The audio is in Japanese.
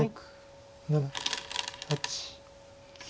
７８９。